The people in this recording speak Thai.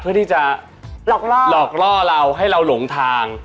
เพื่อที่จะหลอกล่อเราให้เราหลงทาง